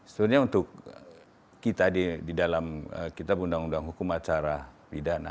sebenarnya untuk kita di dalam kitab undang undang hukum acara pidana